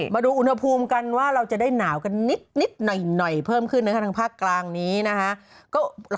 มาดูอุณหภูมิกันว่าเราจะได้หนาวกันนิดหน่อยเพิ่มขึ้นนะคะทางภาคกลางนี้นะคะ